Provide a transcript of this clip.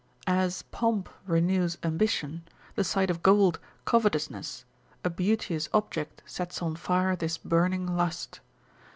As pomp renews ambition; the sight of gold, covetousness; a beauteous object sets on fire this burning lust.